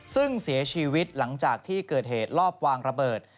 ซึ่งเสียชีวิตหลังจากที่เกิดเหตุรอบวางระเบิด